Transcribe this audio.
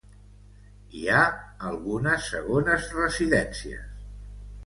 Hi ha algunes segones residències.